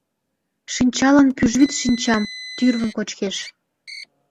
Шинчалан пӱжвӱд шинчам, тӱрвым кочкеш.